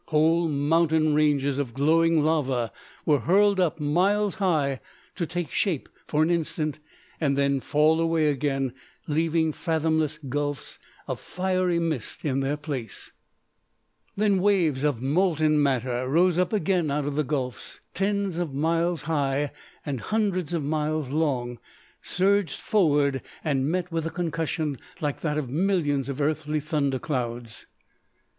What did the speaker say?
Whole mountain ranges of glowing lava were hurled up miles high to take shape for an instant and then fall away again, leaving fathomless gulfs of fiery mist in their place. [Illustration: Whole mountain ranges of glowing lava were hurled up miles high.] Then waves of molten matter rose up again out of the gulfs, tens of miles high and hundreds of miles long, surged forward, and met with a concussion like that of millions of earthly thunder clouds.